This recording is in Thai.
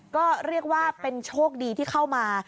ก็เรียกว่าเป็นโชคดีที่เข้ามา